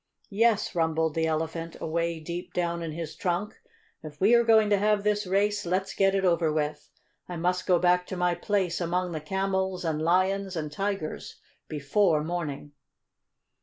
"Yes," rumbled the Elephant, away deep down in his trunk, "if we are going to have this race let's get it over with. I must go back to my place among the camels and lions and tigers before morning."